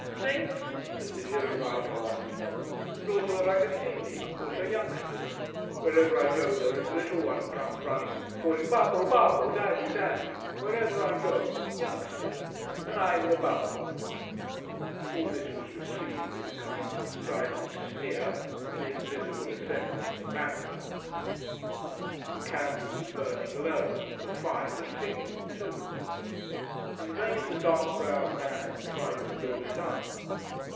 "Saints!" said the girovago once more. "And also ragazzini also youngsters Wherever I go there is a little one comes running calling Babbo! Babbo! Daddy! Daddy! Wherever I go youngsters. And I'm the babbo." All this was received with a kind of silent sneer from the invisible assembly in the background. The candle was burning low, the fire was sinking too. In vain the dark browed man tried to build it up.